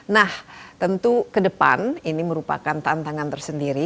nah tentu ke depan ini merupakan tantangan tersendiri